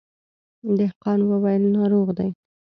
دهقان وويل ناروغ دی.